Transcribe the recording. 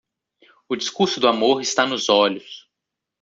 O discurso do amor está nos olhos.